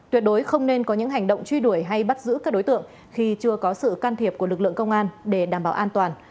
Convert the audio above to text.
tuyệt đối không nên có những hành động truy đuổi hay bắt giữ các đối tượng khi chưa có sự can thiệp của lực lượng công an để đảm bảo an toàn